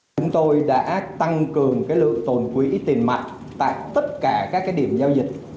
chúng tôi đã tăng cường lượng tồn quỹ tiền mặt tại tất cả các điểm giao dịch